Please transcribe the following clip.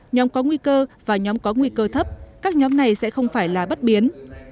nhóm có nguy cơ và nhóm có nguy cơ thấp các nhóm này sẽ không phải là bất biến